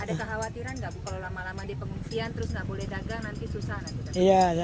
ada kekhawatiran nggak bu kalau lama lama di pengungsian terus nggak boleh dagang nanti susah nanti